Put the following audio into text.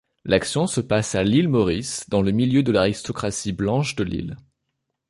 L'action se passe à l'Île Maurice dans le milieu de l'aristocratie blanche de l'île.